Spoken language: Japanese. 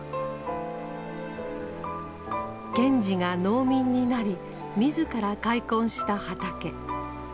賢治が農民になり自ら開墾した畑。